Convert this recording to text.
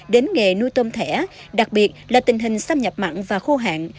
đến nghề nuôi tôm thẻ đặc biệt là tình hình xâm nhập mặn và khô hạn